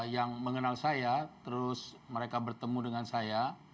yang mengenal saya terus mereka bertemu dengan saya